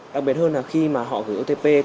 đặc biệt hơn là khi mà họ gửi otp